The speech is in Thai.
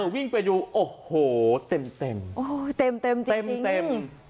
วิ่งไปดูโอ้โหเต็มเต็มจริง